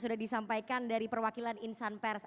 sudah disampaikan dari perwakilan insan pers